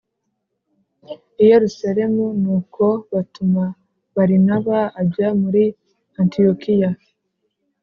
I Yerusalemu nuko batuma Barinaba ajya muri Antiyokiya